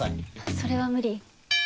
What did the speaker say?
それは無理。